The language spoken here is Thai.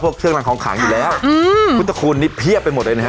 เครื่องรางของขังอยู่แล้วอืมพุทธคุณนี่เพียบไปหมดเลยนะฮะ